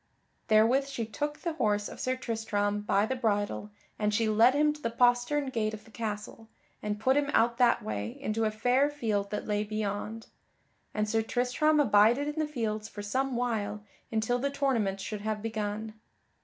Therewith she took the horse of Sir Tristram by the bridle and she led him to the postern gate of the castle, and put him out that way into a fair field that lay beyond; and Sir Tristram abided in the fields for some while until the tournament should have begun.